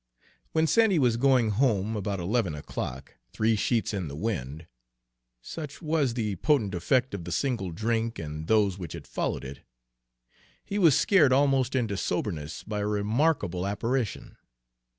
When Sandy was going home about eleven o'clock, three sheets in the wind, such was the potent effect of the single drink and those which had followed it, he was scared almost into soberness by a remarkable apparition.